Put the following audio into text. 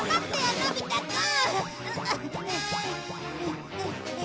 のび太くん！